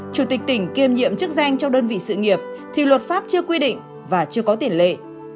chủ tịch tỉnh kiêm nhiệm chức danh trong đơn vị sự nghiệp thì luật pháp chưa quy định và chưa có tiền lệ